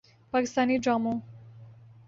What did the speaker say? پاکستانی ڈراموں